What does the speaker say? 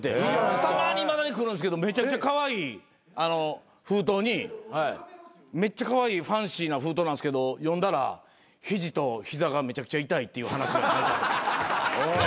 たまにいまだに来るんですけどめちゃくちゃカワイイ封筒にめっちゃカワイイファンシーな封筒なんですけど読んだら肘と膝がめちゃくちゃ痛いっていう話が。